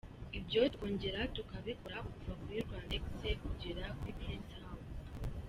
Ibyo tukongera tukabikora kuva kuri Rwandex kugera kuri Prince House.